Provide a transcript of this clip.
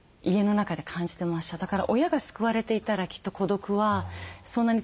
だから親が救われていたらきっと孤独はそんなに強くなかったと思いますが。